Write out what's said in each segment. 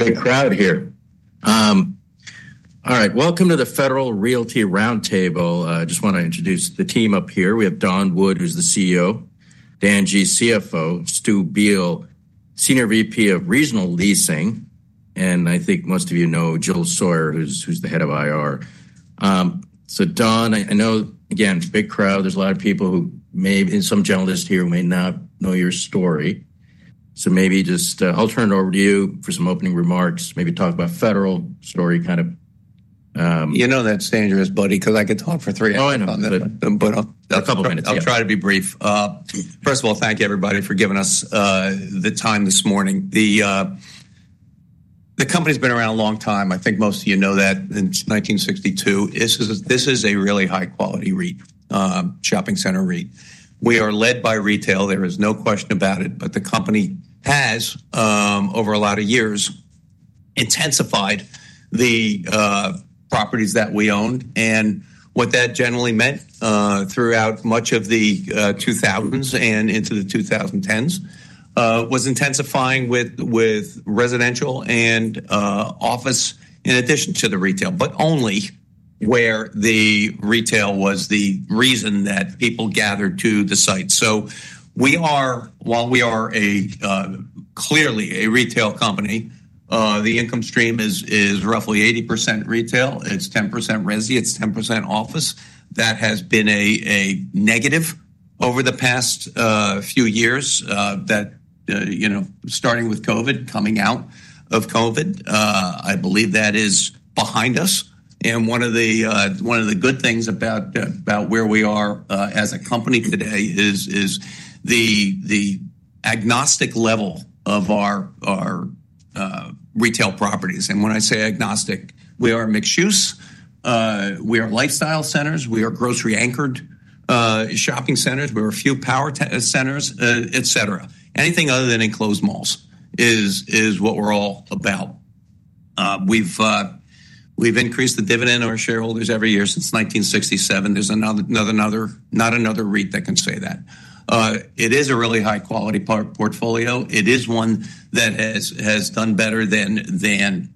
Good crowd here. All right. Welcome to the Federal Realty Roundtable. I just want to introduce the team up here. We have Don Wood, who's the CEO, Dan G., CFO, Stuart Biel, Senior Vice President of Regional Leasing, and I think most of you know Jill Sawyer, who's the Head of IR. Don, I know, again, big crowd. There's a lot of people who may, and some generalists here, who may not know your story. Maybe I'll turn it over to you for some opening remarks, maybe talk about the Federal Realty story. You know that's dangerous, buddy, because I could talk for three hours. Oh, I know, just a couple of minutes. I'll try to be brief. First of all, thank you, everybody, for giving us the time this morning. The company's been around a long time. I think most of you know that. Since 1962, this is a really high-quality REIT, shopping center REIT. We are led by retail. There is no question about it. The company has, over a lot of years, intensified the properties that we owned. What that generally meant throughout much of the 2000s and into the 2010s was intensifying with residential and office in addition to the retail, but only where the retail was the reason that people gathered to the site. While we are clearly a retail company, the income stream is roughly 80% retail. It's 10% resi. It's 10% office. That has been a negative over the past few years, starting with COVID, coming out of COVID. I believe that is behind us. One of the good things about where we are as a company today is the agnostic level of our retail properties. When I say agnostic, we are mixed-use. We are lifestyle centers. We are grocery-anchored shopping centers. We're a few power centers, etc. Anything other than enclosed malls is what we're all about. We've increased the dividend of our shareholders every year since 1967. There's not another REIT that can say that. It is a really high-quality portfolio. It is one that has done better than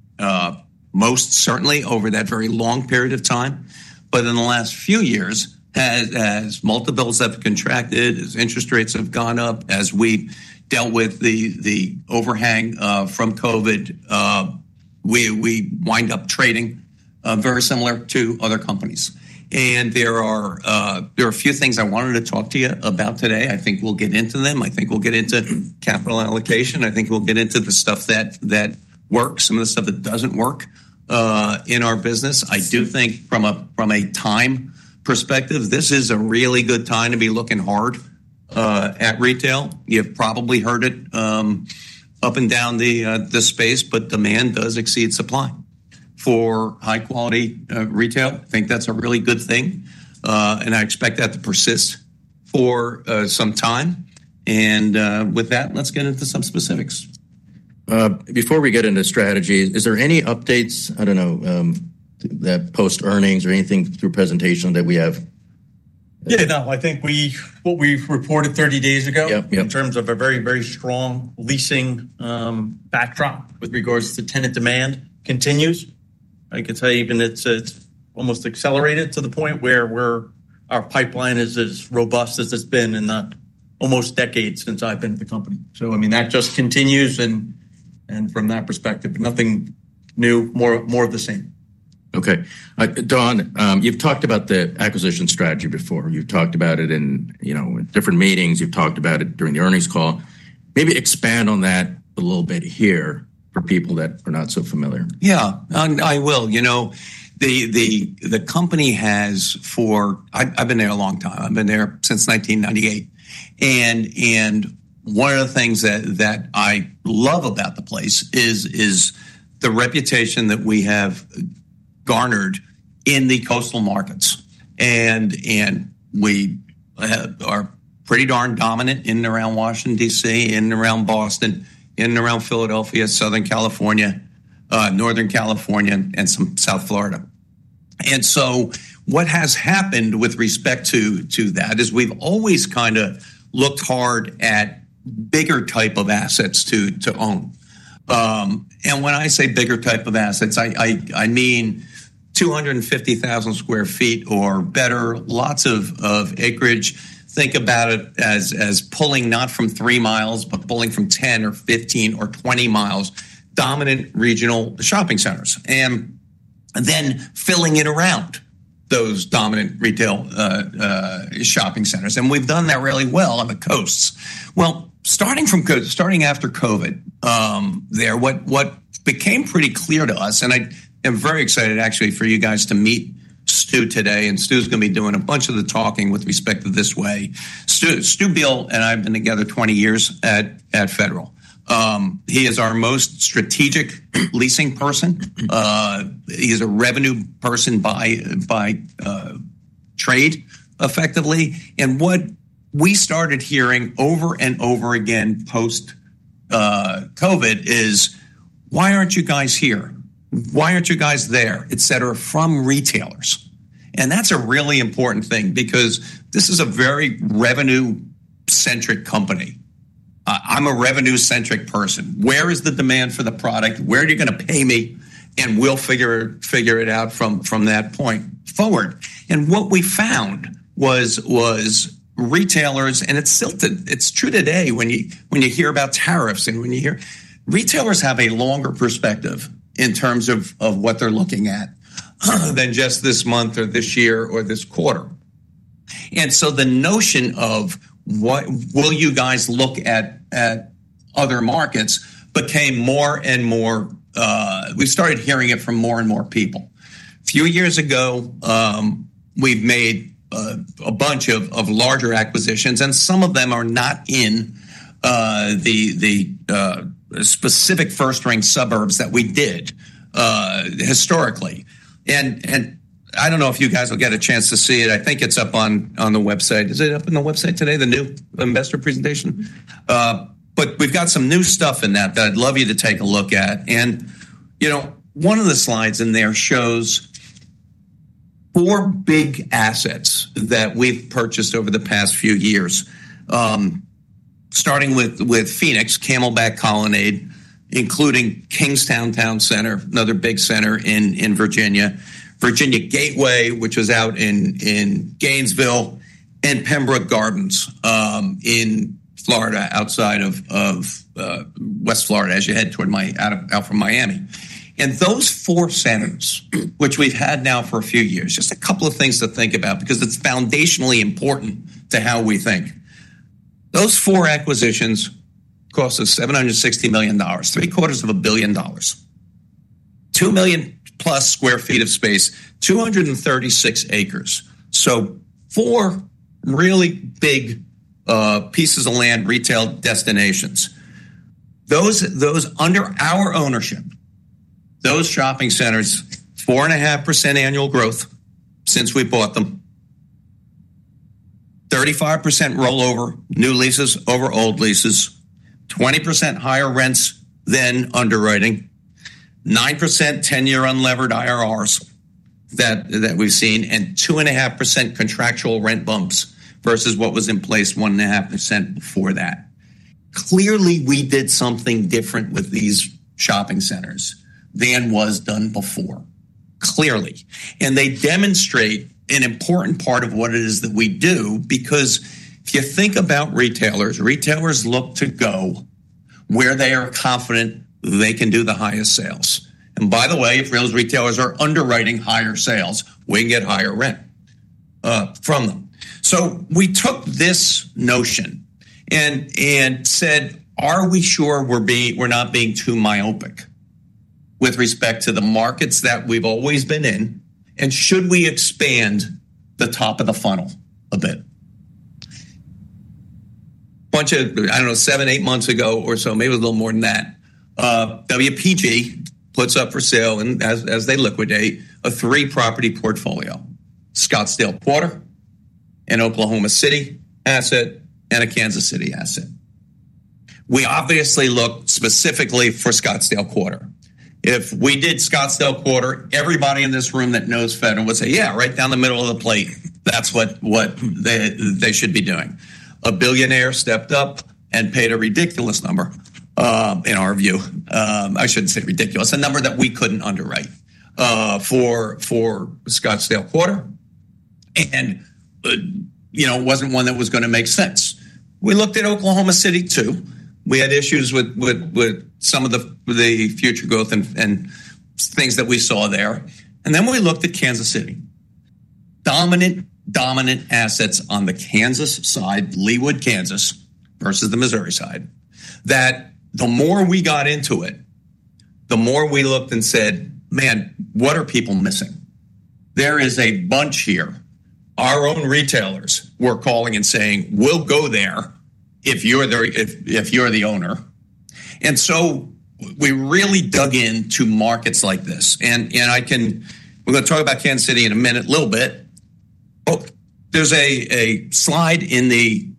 most, certainly, over that very long period of time. In the last few years, as multiples have contracted, as interest rates have gone up, as we've dealt with the overhang from COVID, we wind up trading very similar to other companies. There are a few things I wanted to talk to you about today. I think we'll get into them. I think we'll get into capital allocation. I think we'll get into the stuff that works and the stuff that doesn't work in our business. I do think from a time perspective, this is a really good time to be looking hard at retail. You've probably heard it up and down the space, but demand does exceed supply for high-quality retail. I think that's a really good thing. I expect that to persist for some time. With that, let's get into some specifics. Before we get into strategy, is there any updates? I don't know, post-earnings or anything through presentation that we have? Yeah, no, I think what we reported 30 days ago in terms of a very, very strong leasing backdrop with regards to tenant demand continues. I can tell you even it's almost accelerated to the point where our pipeline is as robust as it's been in almost decades since I've been at the company. That just continues. From that perspective, nothing new, more of the same. Okay. Don, you've talked about the acquisition strategy before. You've talked about it in different meetings. You've talked about it during the earnings call. Maybe expand on that a little bit here for people that are not so familiar. Yeah, I will. You know, the company has for I've been there a long time. I've been there since 1998. One of the things that I love about the place is the reputation that we have garnered in the coastal markets. We are pretty darn dominant in and around Washington, D.C., in and around Boston, in and around Philadelphia, Southern California, Northern California, and some South Florida. What has happened with respect to that is we've always kind of looked hard at bigger types of assets to own. When I say bigger types of assets, I mean 250,000 sq ft or better, lots of acreage. Think about it as pulling not from 3 mi, but pulling from 10 mi or 15 mi or 20 mi, dominant regional shopping centers, and then filling it around those dominant retail shopping centers. We've done that really well on the coasts. Starting after COVID, what became pretty clear to us, and I am very excited, actually, for you guys to meet Stu today. Stu is going to be doing a bunch of the talking with respect to this way. Stu Biel and I have been together 20 years at Federal. He is our most strategic leasing person. He is a revenue person by trade, effectively. What we started hearing over and over again post-COVID is, why aren't you guys here? Why aren't you guys there, etc., from retailers? That's a really important thing because this is a very revenue-centric company. I'm a revenue-centric person. Where is the demand for the product? Where are you going to pay me? We'll figure it out from that point forward. What we found was retailers, and it's true today when you hear about tariffs and when you hear retailers have a longer perspective in terms of what they're looking at than just this month or this year or this quarter. The notion of what will you guys look at other markets became more and more, we started hearing it from more and more people. A few years ago, we've made a bunch of larger acquisitions, and some of them are not in the specific first-rank suburbs that we did historically. I don't know if you guys will get a chance to see it. I think it's up on the website. Is it up on the website today, the new investor presentation? We've got some new stuff in that that I'd love you to take a look at. One of the slides in there shows four big assets that we've purchased over the past few years, starting with Phoenix, Camelback Colonnade, including Kingstowne Towne Center, another big center in Virginia, Virginia Gateway, which is out in Gainesville, and Pembroke Gardens in Florida, outside of West Florida, as you head toward out from Miami. Those four centers, which we've had now for a few years, just a couple of things to think about because it's foundationally important to how we think. Those four acquisitions cost us $760 million, $750 million, 2 million sq ft+ of space, 236 ac. Four really big pieces of land, retail destinations. Under our ownership, those shopping centers, 4.5% annual growth since we bought them, 35% rollover, new leases over old leases, 20% higher rents than underwriting, 9% 10-year unlevered IRRs that we've seen, and 2.5% contractual rent bumps versus what was in place, 1.5% before that. Clearly, we did something different with these shopping centers than was done before, clearly. They demonstrate an important part of what it is that we do because if you think about retailers, retailers look to go where they are confident they can do the highest sales. By the way, if retailers are underwriting higher sales, we can get higher rent from them. We took this notion and said, are we sure we're not being too myopic with respect to the markets that we've always been in? Should we expand the top of the funnel a bit? A bunch of, I don't know, seven, eight months ago or so, maybe a little more than that, WPG puts up for sale, and as they liquidate, a three-property portfolio: Scottsdale Quarter, an Oklahoma City asset, and a Kansas City asset. We obviously look specifically for Scottsdale Quarter. If we did Scottsdale Quarter, everybody in this room that knows Federal would say, yeah, right down the middle of the plate, that's what they should be doing. A billionaire stepped up and paid a ridiculous number, in our view. I shouldn't say ridiculous, a number that we couldn't underwrite for Scottsdale Quarter. It wasn't one that was going to make sense. We looked at Oklahoma City, too. We had issues with some of the future growth and things that we saw there. We looked at Kansas City. Dominant, dominant assets on the Kansas side, Leawood, Kansas versus the Missouri side. The more we got into it, the more we looked and said, man, what are people missing? There is a bunch here. Our own retailers were calling and saying, we'll go there if you are the owner. We really dug into markets like this. We're going to talk about Kansas City in a minute, a little bit. There's a slide in the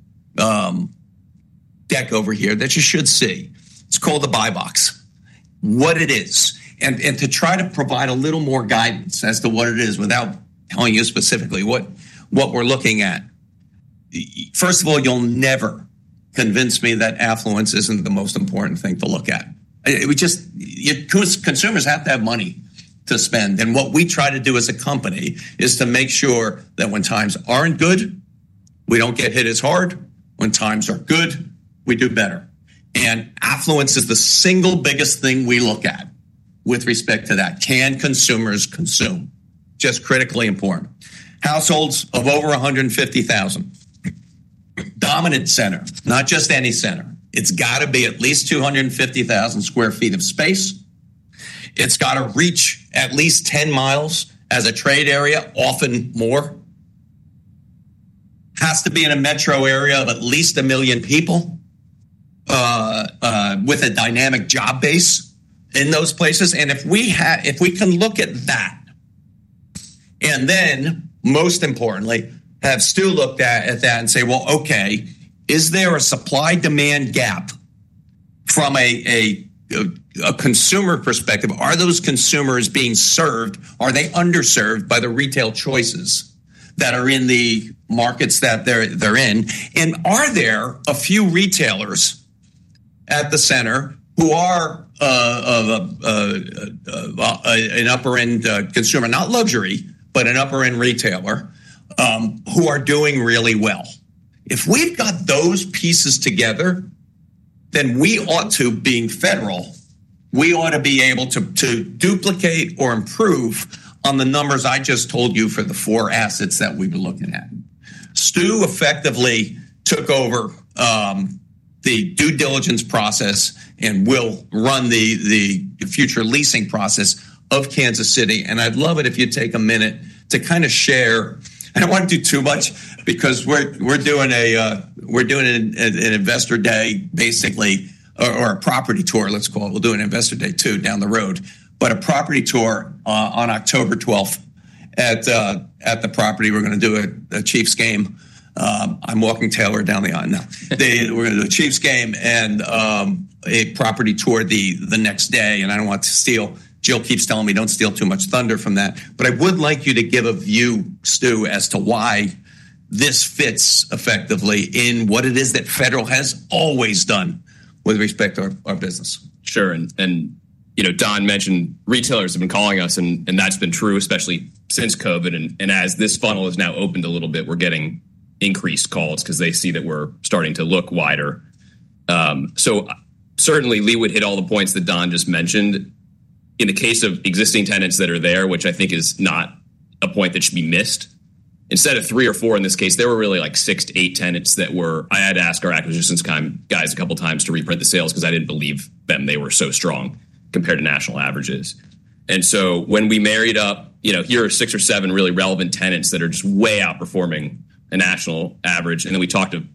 deck over here that you should see. It's called the Buy Box, what it is. To try to provide a little more guidance as to what it is without telling you specifically what we're looking at, first of all, you'll never convince me that affluence isn't the most important thing to look at. Consumers have to have money to spend. What we try to do as a company is to make sure that when times aren't good, we don't get hit as hard. When times are good, we do better. Affluence is the single biggest thing we look at with respect to that. Can consumers consume? Just critically important. Households of over $150,000. Dominant center, not just any center. It's got to be at least 250,000 sq ft of space. It's got to reach at least 10 mi as a trade area, often more. It has to be in a metro area of at least 1 million people with a dynamic job base in those places. If we can look at that, and then, most importantly, have Stu look at that and say, okay, is there a supply-demand gap from a consumer perspective? Are those consumers being served? Are they underserved by the retail choices that are in the markets that they're in? Are there a few retailers at the center who are an upper-end consumer, not luxury, but an upper-end retailer who are doing really well? If we've got those pieces together, then we ought to, being Federal, we ought to be able to duplicate or improve on the numbers I just told you for the four assets that we were looking at. Stu effectively took over the due diligence process and will run the future leasing process of Kansas City. I'd love it if you'd take a minute to kind of share. I don't want to do too much because we're doing an Investor Day, basically, or a property tour, let's call it. We'll do an Investor Day, too, down the road. A property tour on October 12 at the property. We're going to do a Chiefs game. I'm walking Taylor down the aisle now. We're going to do a Chiefs game and a property tour the next day. I don't want to steal. Jill keeps telling me, don't steal too much thunder from that. I would like you to give a view, Stu, as to why this fits effectively in what it is that Federal has always done with respect to our business. Sure. Don mentioned retailers have been calling us, and that's been true, especially since COVID. As this funnel has now opened a little bit, we're getting increased calls because they see that we're starting to look wider. Certainly, Leawood hit all the points that Don just mentioned. In the case of existing tenants that are there, which I think is not a point that should be missed, instead of three or four, in this case, there were really like six to eight tenants. I had to ask our acquisition guys a couple of times to reprint the sales because I didn't believe them. They were so strong compared to national averages. When we married up, here are six or seven really relevant tenants that are just way outperforming a national average. We talked to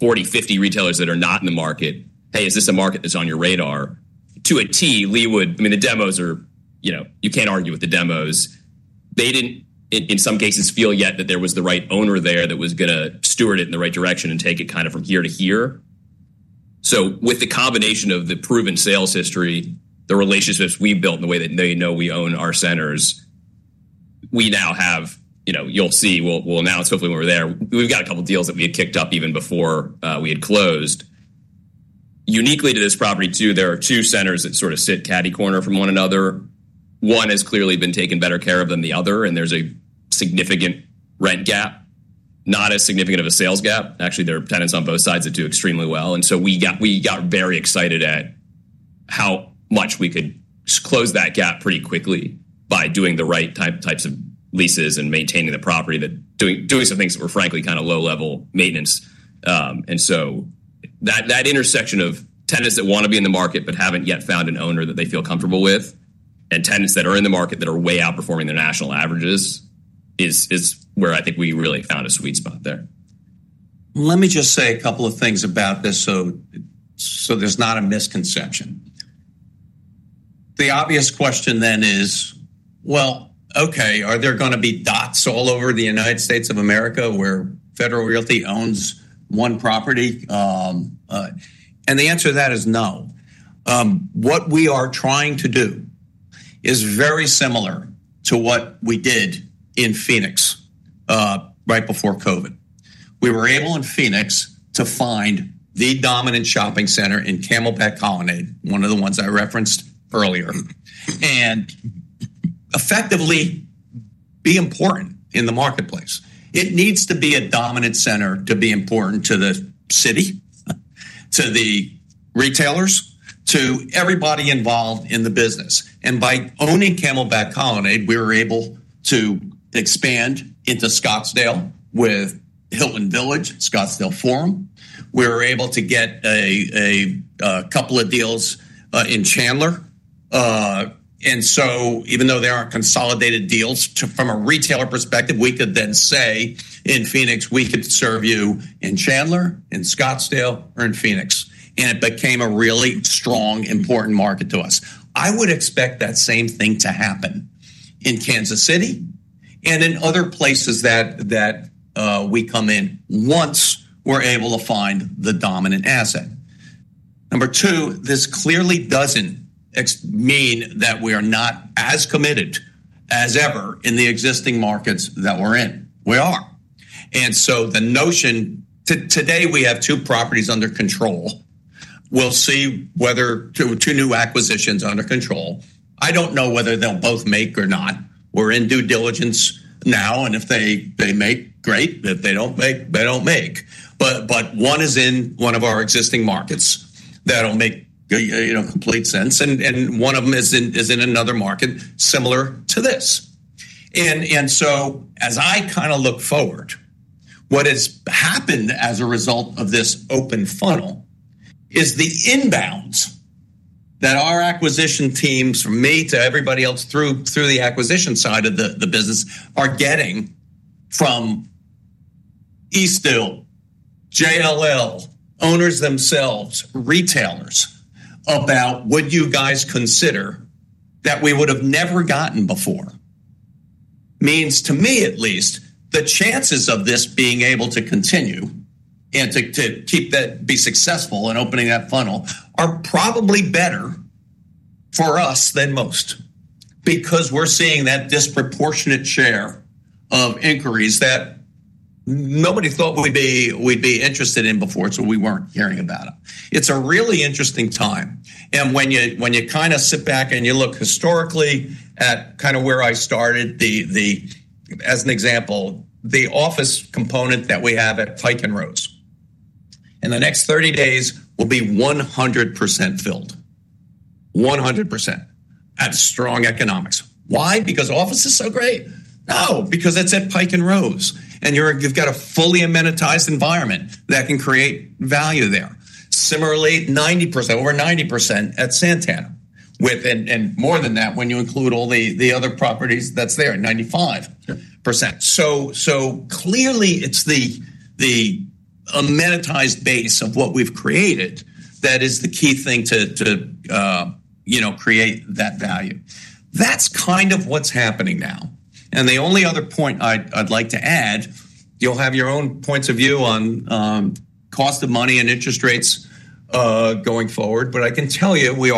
40, 50 retailers that are not in the market. Hey, is this a market that's on your radar? To a T, Leawood, I mean, the demos are, you can't argue with the demos. They didn't, in some cases, feel yet that there was the right owner there that was going to steward it in the right direction and take it kind of from here to here. With the combination of the proven sales history, the relationships we built in the way that they know we own our centers, we now have, you'll see, we'll announce hopefully when we're there. We've got a couple of deals that we had kicked up even before we had closed. Uniquely to this property, too, there are two centers that sort of sit catty-corner from one another. One has clearly been taken better care of than the other. There's a significant rent gap, not as significant of a sales gap. Actually, there are tenants on both sides that do extremely well. We got very excited at how much we could close that gap pretty quickly by doing the right types of leases and maintaining the property, doing some things that were frankly kind of low-level maintenance. That intersection of tenants that want to be in the market but haven't yet found an owner that they feel comfortable with and tenants that are in the market that are way outperforming the national averages is where I think we really found a sweet spot there. Let me just say a couple of things about this so there's not a misconception. The obvious question then is, okay, are there going to be dots all over the United States of America where Federal Realty owns one property? The answer to that is no. What we are trying to do is very similar to what we did in Phoenix right before COVID. We were able in Phoenix to find the dominant shopping center in Camelback Colonnade, one of the ones I referenced earlier, and effectively be important in the marketplace. It needs to be a dominant center to be important to the city, to the retailers, to everybody involved in the business. By owning Camelback Colonnade, we were able to expand into Scottsdale with Hilland Village, Scottsdale Forum. We were able to get a couple of deals in Chandler. Even though there are consolidated deals from a retailer perspective, we could then say in Phoenix, we could serve you in Chandler, in Scottsdale, or in Phoenix. It became a really strong, important market to us. I would expect that same thing to happen in Kansas City and in other places that we come in once we're able to find the dominant asset. Number two, this clearly doesn't mean that we are not as committed as ever in the existing markets that we're in. We are. The notion today we have two properties under control. We'll see whether two new acquisitions are under control. I don't know whether they'll both make or not. We're in due diligence now. If they make, great. If they don't make, they don't make. One is in one of our existing markets that will make complete sense. One of them is in another market similar to this. As I kind of look forward, what has happened as a result of this open funnel is the inbounds that our acquisition teams from me to everybody else through the acquisition side of the business are getting from East New, JLL, owners themselves, retailers about what you guys consider that we would have never gotten before. Means to me, at least, the chances of this being able to continue and to be successful in opening that funnel are probably better for us than most because we're seeing that disproportionate share of inquiries that nobody thought we'd be interested in before, so we weren't hearing about them. It's a really interesting time. When you sit back and look historically at where I started, as an example, the office component that we have at Pike & Rose, in the next 30 days, will be 100% filled, 100% out of strong economics. Why? Because office is so great? No, because it's at Pike & Rose. You've got a fully amenitized environment that can create value there. Similarly, 90%, over 90% at Santana. More than that, when you include all the other properties that's there, 95%. Clearly, it's the amenitized base of what we've created that is the key thing to create that value. That's what's happening now. The only other point I'd like to add, you'll have your own points of view on cost of money and interest rates going forward. I can tell you we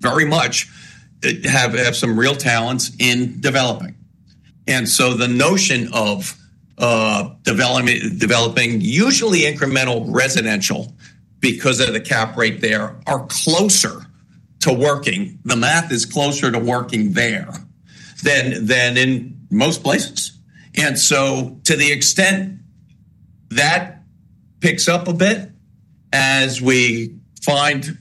very much have some real talents in developing. The notion of developing usually incremental residential because the cap rate there is closer to working, the math is closer to working there than in most places. To the extent that picks up a bit as we find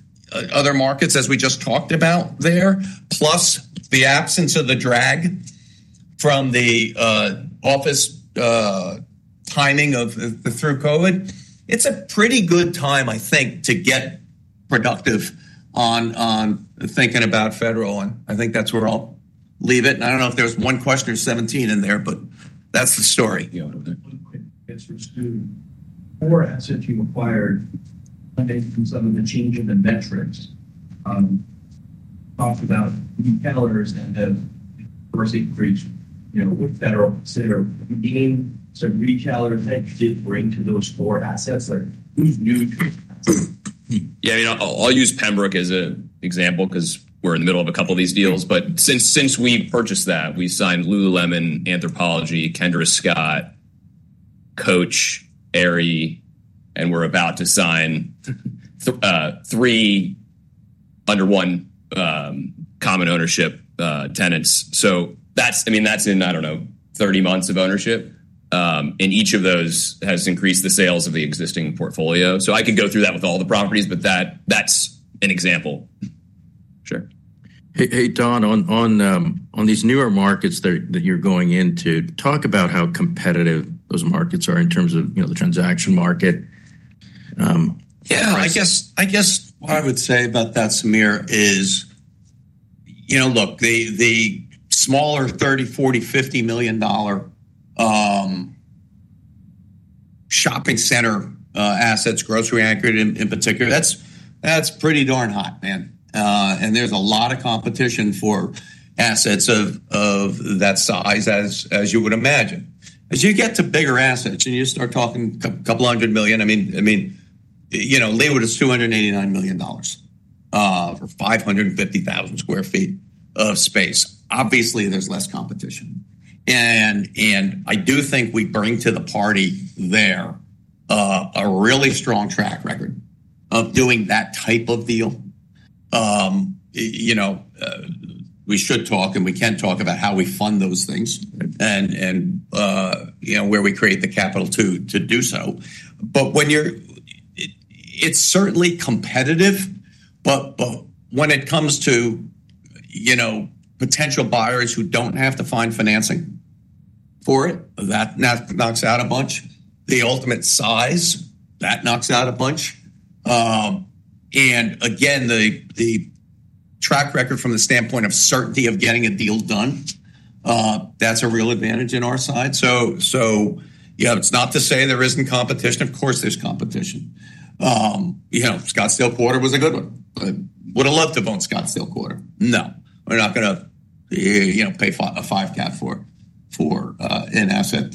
other markets, as we just talked about there, plus the absence of the drag from the office timing through COVID, it's a pretty good time, I think, to get productive on thinking about Federal. I think that's where I'll leave it. I don't know if there was one question or 17 in there, but that's the story. Yeah. One quick question, Stu. Four assets you acquired, funded from some of the change in the metrics. Talked about retailers and then diversity for each. What would Federal say? Do you name some retailers that you did bring to those four assets? Who's new to you? Yeah, I'll use Pembroke as an example because we're in the middle of a couple of these deals. Since we purchased that, we signed Lululemon, Anthropologie, Kendra Scott, Coach, Aerie, and we're about to sign three under one common ownership tenants. That's in, I don't know, 30 months of ownership, and each of those has increased the sales of the existing portfolio. I could go through that with all the properties, but that's an example. Sure. Hey, Don, on these newer markets that you're going into, talk about how competitive those markets are in terms of the transaction market. Yeah, I guess what I would say about that, Samir, is, you know, look, the smaller $30 million, $40 million, $50 million shopping center assets, grocery-anchored in particular, that's pretty darn hot, man. There's a lot of competition for assets of that size, as you would imagine. As you get to bigger assets and you start talking a couple hundred million, I mean, you know, Leawood is $289 million or 550,000 sq ft of space. Obviously, there's less competition. I do think we bring to the party there a really strong track record of doing that type of deal. We should talk, and we can talk about how we fund those things and where we create the capital to do so. It's certainly competitive. When it comes to potential buyers who don't have to find financing for it, that knocks out a bunch. The ultimate size, that knocks out a bunch. Again, the track record from the standpoint of certainty of getting a deal done, that's a real advantage on our side. Yeah, it's not to say there isn't competition. Of course, there's competition. Scottsdale Quarter was a good one. Would have loved to have owned Scottsdale Quarter. No, we're not going to pay a five-cap for an asset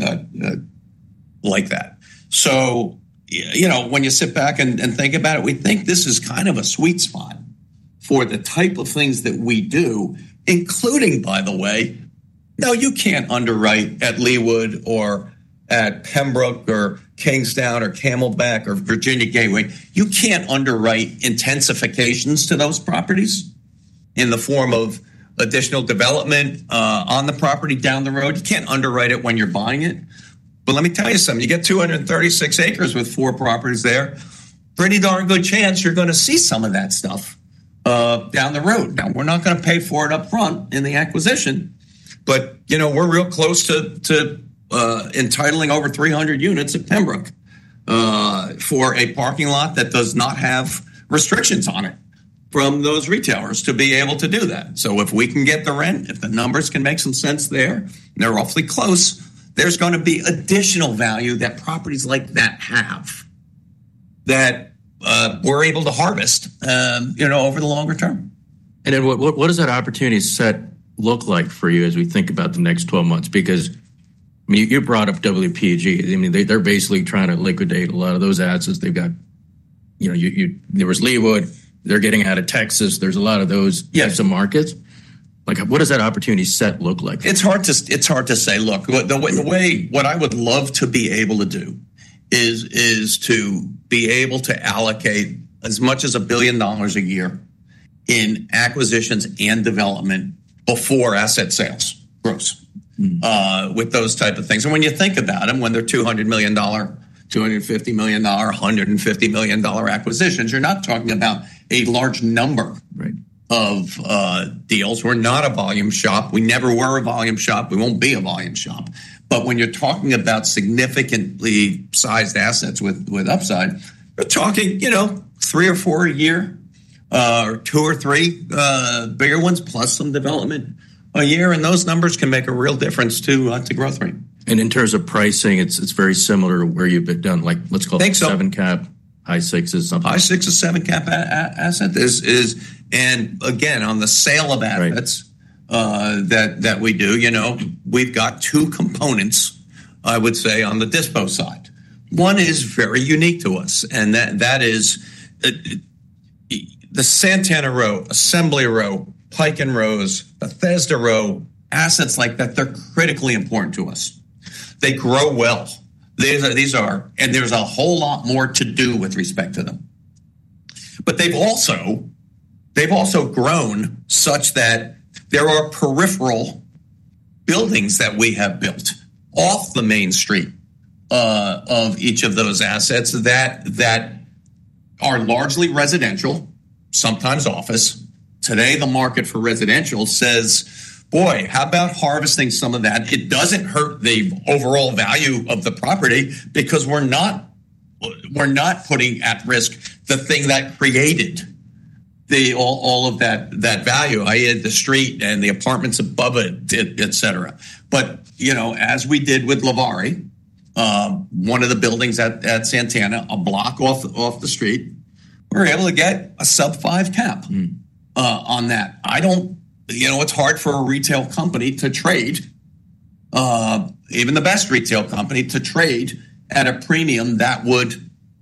like that. When you sit back and think about it, we think this is kind of a sweet spot for the type of things that we do, including, by the way, no, you can't underwrite at Leawood or at Pembroke or Kingstowne or Camelback or Virginia Gateway. You can't underwrite intensifications to those properties in the form of additional development on the property down the road. You can't underwrite it when you're buying it. Let me tell you something. You get 236 acres with four properties there. Pretty darn good chance you're going to see some of that stuff down the road. We're not going to pay for it up front in the acquisition. You know, we're real close to entitling over 300 units at Pembroke for a parking lot that does not have restrictions on it from those retailers to be able to do that. If we can get the rent, if the numbers can make some sense there, and they're roughly close, there's going to be additional value that properties like that have that we're able to harvest over the longer term. What does that opportunity set look like for you as we think about the next 12 months? Because you brought up WPG. I mean, they're basically trying to liquidate a lot of those assets. They've got, you know, there was Leawood. They're getting out of Texas. There's a lot of those types of markets. What does that opportunity set look like? It's hard to say. Look, what I would love to be able to do is to be able to allocate as much as $1 billion a year in acquisitions and development before asset sales growth with those types of things. When you think about them, when they're $200 million, $250 million, $150 million acquisitions, you're not talking about a large number of deals. We're not a volume shop. We never were a volume shop. We won't be a volume shop. When you're talking about significantly sized assets with upside, we're talking, you know, three or four a year, two or three bigger ones, plus some development a year. Those numbers can make a real difference to growth rate. In terms of pricing, it's very similar to where you've been done. Let's call it 7% cap, high-6%. High-6%, 7% cap asset is. Again, on the sale of assets that we do, we've got two components, I would say, on the dispo side. One is very unique to us. That is the Santana Row, Assembly Row, Pike & Rose, Bethesda Row, assets like that, they're critically important to us. They grow wealth. These are, and there's a whole lot more to do with respect to them. They've also grown such that there are peripheral buildings that we have built off the main street of each of those assets that are largely residential, sometimes office. Today, the market for residential says, boy, how about harvesting some of that? It doesn't hurt the overall value of the property because we're not putting at risk the thing that created all of that value, i.e., the street and the apartments above it, etc. As we did with Levare, one of the buildings at Santana, a block off the street, we were able to get a sub-5% cap on that. It's hard for a retail company to trade, even the best retail company, to trade at a premium that would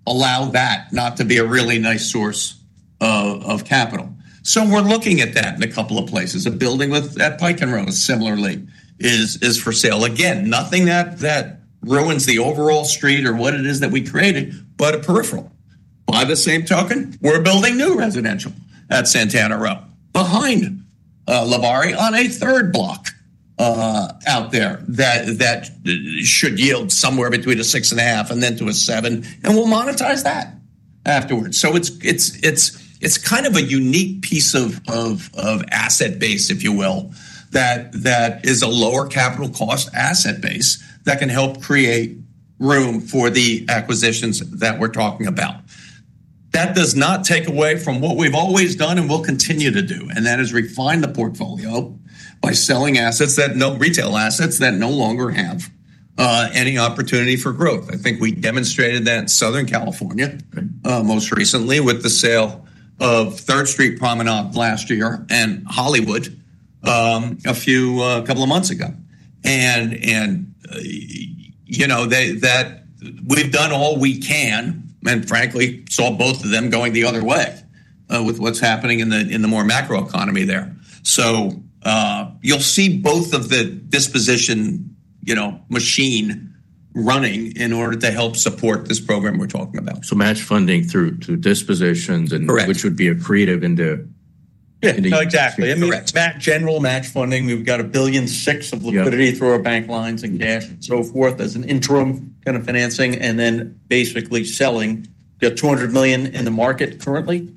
allow that not to be a really nice source of capital. We're looking at that in a couple of places. A building at Pike & Rose similarly is for sale. Nothing that ruins the overall street or what it is that we created, but a peripheral. By the same token, we're building new residential at Santana Row behind Levare on a third block out there that should yield somewhere between a 6.5% and a 7%. We'll monetize that afterwards. It's kind of a unique piece of asset base, if you will, that is a lower capital cost asset base that can help create room for the acquisitions that we're talking about. That does not take away from what we've always done and will continue to do, and that is refine the portfolio by selling assets, retail assets that no longer have any opportunity for growth. I think we demonstrated that in Southern California most recently with the sale of Third Street Promenade last year and Hollywood a couple of months ago. We've done all we can and frankly saw both of them going the other way with what's happening in the more macro economy there. You'll see both of the disposition machines running in order to help support this program we're talking about. Match funding through dispositions, which would be accretive into. Exactly. I mean, general match funding, we've got $1.6 billion of liquidity through our bank lines and cash and so forth as an interim kind of financing. Basically, selling, we have $200 million in the market currently.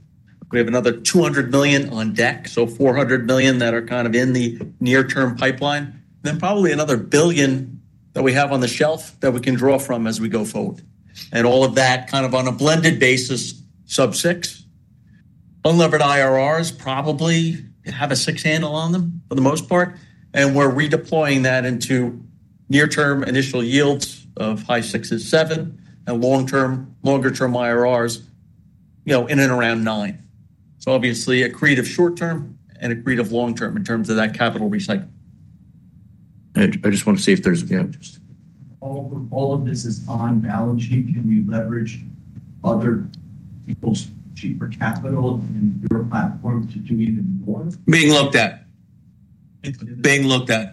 We have another $200 million on deck, so $400 million that are kind of in the near-term pipeline. Probably another $1 billion that we have on the shelf that we can draw from as we go forward. All of that kind of on a blended basis, sub-6%. Unlevered IRRs probably have a 6% handle on them for the most part. We're redeploying that into near-term initial yields of high-6%, 7%, and longer-term IRRs in and around 9%. Obviously, accretive short-term and accretive long-term in terms of that capital recycling. I just want to see if there's, yeah. All of this is unbalanced. Do you think you can leverage other people's cheaper capital and different platforms to do even more? Being looked at.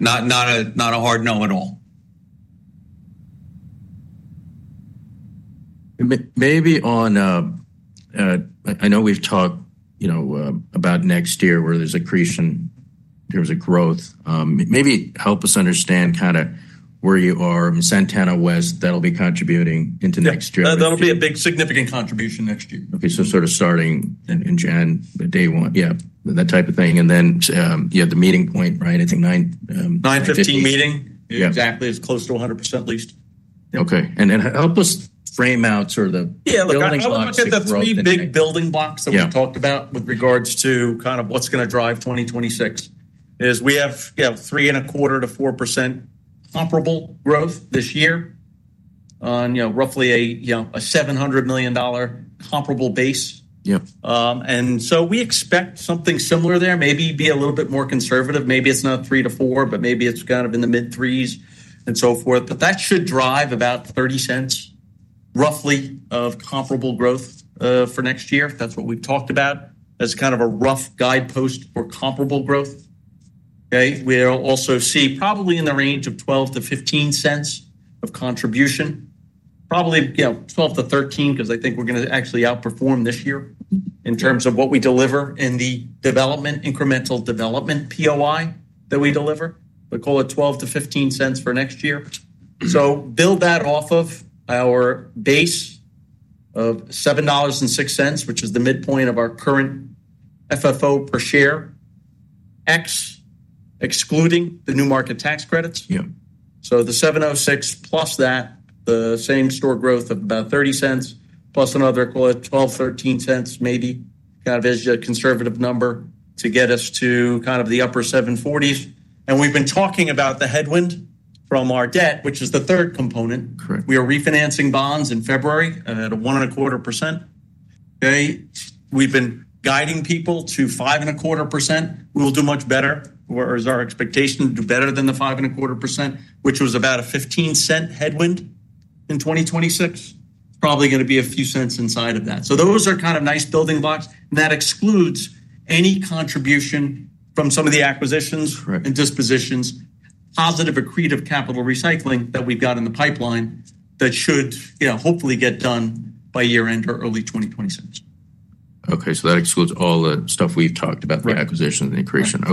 Not a hard no at all. Maybe on, I know we've talked about next year where there's a creation, there's a growth. Maybe help us understand kind of where you are. Santana West, that'll be contributing into next year. That'll be a big, significant contribution next year. Okay, starting in Jan day one. Yeah, that type of thing. You have the meeting point, right? I think 9:00 A.M. Meeting exactly is close to 100% leased. Okay. Help us frame out sort of the. Yeah, like the three big building blocks that we've talked about with regards to kind of what's going to drive 2026 is we have, you know, 3.25%-4% comparable growth this year on, you know, roughly a $700 million comparable base. Yeah. We expect something similar there, maybe be a little bit more conservative. Maybe it's not 3%-4%, but maybe it's kind of in the mid-3%s and so forth. That should drive about $0.30 roughly of comparable growth for next year. That's what we've talked about as kind of a rough guidepost for comparable growth. We'll also see probably in the range of $0.12-$0.15 of contribution, probably $0.12-$0.13, because I think we're going to actually outperform this year in terms of what we deliver in the incremental development POI that we deliver. We call it $0.12-$0.15 for next year. Build that off of our base of $7.06, which is the midpoint of our current FFO per share X, excluding the new market tax credits. Yeah. The $7.06 plus that, the same store growth of about $0.30, plus another, call it $0.12, $0.13 maybe, kind of as a conservative number to get us to kind of the upper $7.40. We've been talking about the headwind from our debt, which is the third component. We are refinancing bonds in February at a 1.25%. We've been guiding people to 5.25%. We will do much better. Where is our expectation to do better than the 5.25%, which was about a $0.15 headwind in 2026. Probably going to be a few cents inside of that. Those are kind of nice building blocks. That excludes any contribution from some of the acquisitions and dispositions, positive accretive capital recycling that we've got in the pipeline that should hopefully get done by year-end or early 2026. Okay, so that excludes all the stuff we've talked about, the acquisitions and creation.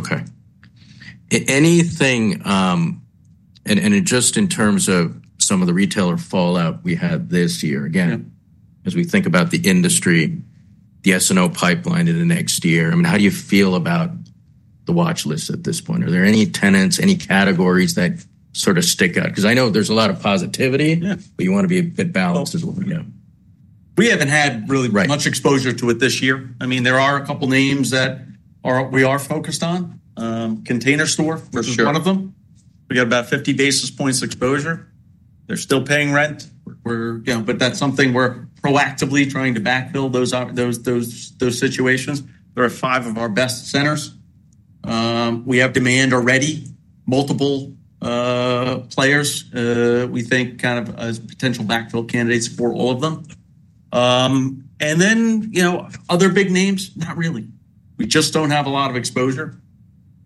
Anything, and just in terms of some of the retailer fallout we had this year, again, as we think about the industry, the S&O pipeline in the next year, how do you feel about the watchlist at this point? Are there any tenants, any categories that sort of stick out? Because I know there's a lot of positivity, but you want to be a bit balanced is what we know. We haven't had really much exposure to it this year. I mean, there are a couple of names that we are focused on. Container Store was one of them. We got about 50 basis points exposure. They're still paying rent. That's something we're proactively trying to backfill, those situations. There are five of our best centers. We have demand already, multiple players we think kind of as potential backfill candidates for all of them. Other big names, not really. We just don't have a lot of exposure.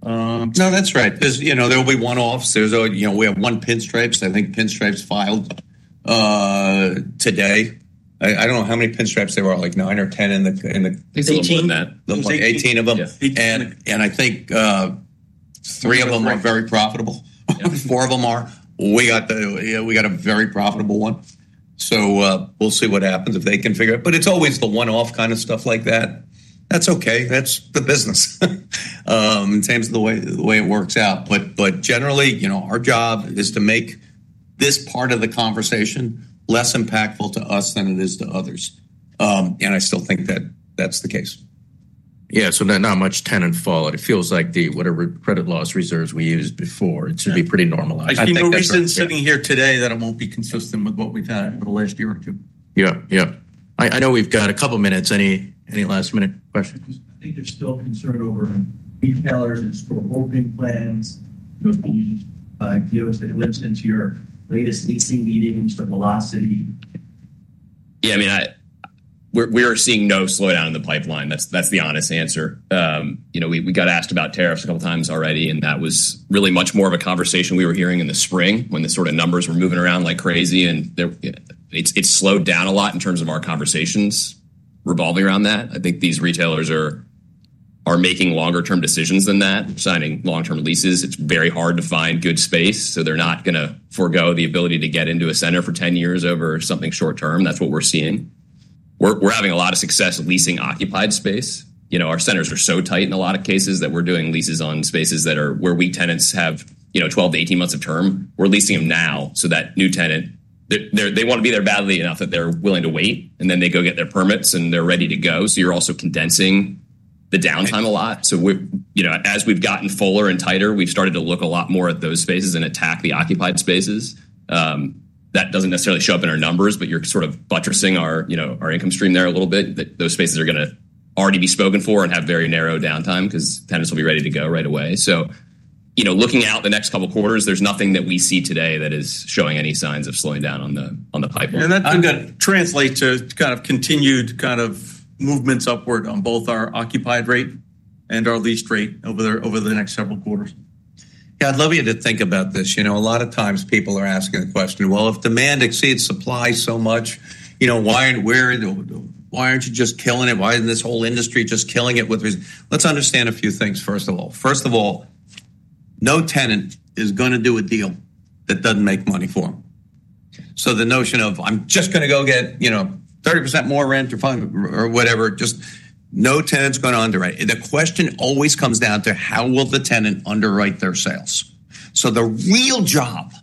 No, that's right. Because, you know, there'll be one-offs. We have one Pinstripes. I think Pinstripes filed today. I don't know how many Pinstripes there are, like nine or 10 in the. It's 18. Looks like 18 of them. I think three of them are very profitable. Four of them are. We got a very profitable one. We'll see what happens if they can figure it. It's always the one-off kind of stuff like that. That's okay. That's the business in terms of the way it works out. Generally, you know, our job is to make this part of the conversation less impactful to us than it is to others. I still think that that's the case. Not much tenant fallout. It feels like the whatever credit loss reserves we used before, it should be pretty normalized. I think the reason sitting here today is that it won't be consistent with what we've had in the last year or two. Yeah, yeah. I know we've got a couple of minutes. Any last minute questions? I think they're still concerned over retailers and store opening plans. Do you know if they've looked into your latest leasing meetings for Velocity? Yeah, I mean, we're seeing no slowdown in the pipeline. That's the honest answer. You know, we got asked about tariffs a couple of times already. That was really much more of a conversation we were hearing in the spring when the sort of numbers were moving around like crazy. It's slowed down a lot in terms of our conversations revolving around that. I think these retailers are making longer-term decisions than that, signing long-term leases. It's very hard to find good space. They're not going to forego the ability to get into a center for 10 years over something short term. That's what we're seeing. We're having a lot of success leasing occupied space. Our centers are so tight in a lot of cases that we're doing leases on spaces where tenants have 12 months-18 months of term. We're leasing them now so that new tenant, they want to be there badly enough that they're willing to wait. They go get their permits, and they're ready to go. You're also condensing the downtime a lot. As we've gotten fuller and tighter, we've started to look a lot more at those spaces and attack the occupied spaces. That doesn't necessarily show up in our numbers, but you're sort of buttressing our income stream there a little bit. Those spaces are going to already be spoken for and have very narrow downtime because tenants will be ready to go right away. Looking out the next couple of quarters, there's nothing that we see today that is showing any signs of slowing down on the pipeline. That is going to translate to continued movements upward on both our occupied rate and our lease rate over the next several quarters. I'd love you to think about this. A lot of times people are asking the question, if demand exceeds supply so much, why aren't you just killing it? Why isn't this whole industry just killing it with? Let's understand a few things, first of all. No tenant is going to do a deal that doesn't make money for them. The notion of, I'm just going to go get 30% more rent or whatever, just no tenant's going to underwrite. The question always comes down to how will the tenant underwrite their sales? The real job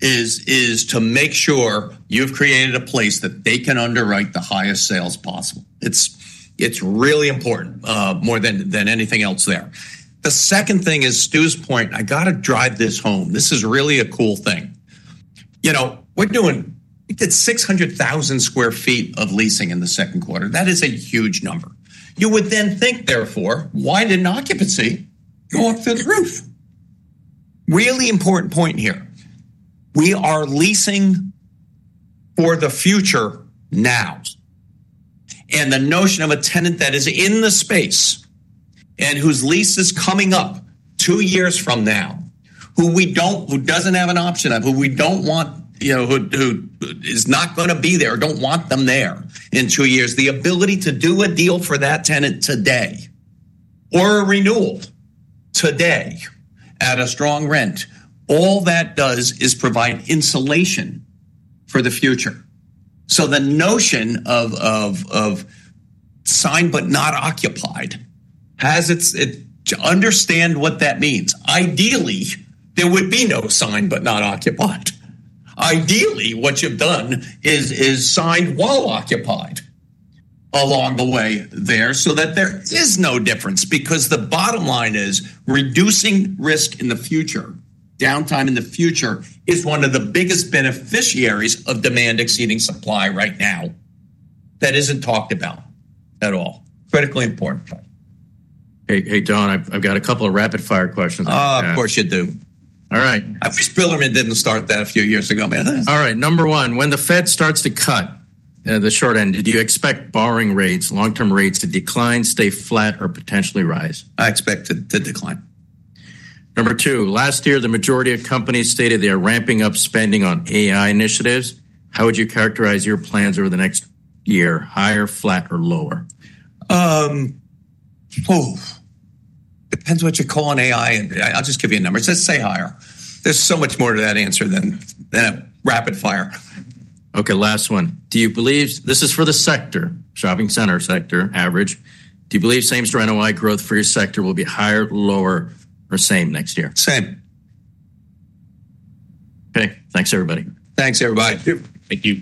is to make sure you've created a place that they can underwrite the highest sales possible. It's really important more than anything else there. The second thing is Stu's point. I got to drive this home. This is really a cool thing. We did 600,000 sq ft of leasing in the second quarter. That is a huge number. You would then think, therefore, why didn't occupancy go up through the roof? Really important point here. We are leasing for the future now. The notion of a tenant that is in the space and whose lease is coming up two years from now, who doesn't have an option, who we don't want, who is not going to be there, don't want them there in two years, the ability to do a deal for that tenant today or a renewal today at a strong rent, all that does is provide insulation for the future. The notion of signed but not occupied has its understand what that means. Ideally, there would be no signed but not occupied. Ideally, what you've done is signed while occupied along the way there so that there is no difference because the bottom line is reducing risk in the future. Downtime in the future is one of the biggest beneficiaries of demand exceeding supply right now that isn't talked about at all. Critically important. Hey, Don, I've got a couple of rapid-fire questions. Of course you do. All right. I wish Bill and I didn't start that a few years ago, man. All right. Number one, when the Fed starts to cut the short end, do you expect borrowing rates, long-term rates to decline, stay flat, or potentially rise? I expect it to decline. Number two, last year, the majority of companies stated they are ramping up spending on AI initiatives. How would you characterize your plans over the next year, higher, flat, or lower? Depends what you call an AI. I'll just give you a number. Just say higher. There's so much more to that answer than a rapid fire. Okay, last one. Do you believe this is for the sector, shopping center sector, average? Do you believe same-store NOI growth for your sector will be higher, lower, or same next year? Same. OK, thanks, everybody. Thanks, everybody. Thank you.